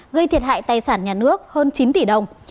gây thiệt hại tài sản nhà nước hơn chín tỷ đồng